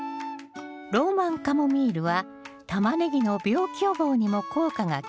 ローマンカモミールはタマネギの病気予防にも効果が期待できます。